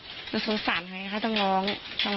ว่าที่หายไปเนี่ยคือถูกสามีเนี่ยทำร้ายจนเสียชีวิต